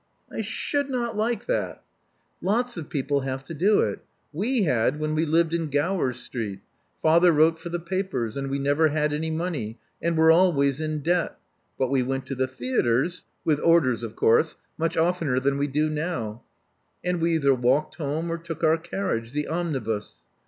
•*I should not like that." Lots of people have to do it. We had, when we lived in Gower Street. Father wrote for the papers; and we never had any money, and were always in debt. But we went to the theatres — with orders, of course — much oftener than we do now; and we either walked home or took our carriage, the omnibus.